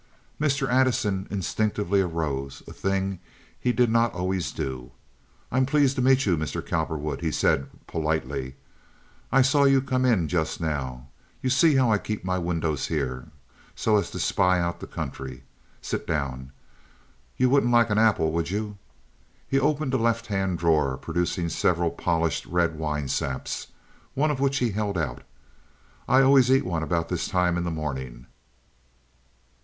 Mr. Addison instinctively arose—a thing he did not always do. "I'm pleased to meet you, Mr. Cowperwood," he said, politely. "I saw you come in just now. You see how I keep my windows here, so as to spy out the country. Sit down. You wouldn't like an apple, would you?" He opened a left hand drawer, producing several polished red winesaps, one of which he held out. "I always eat one about this time in the morning."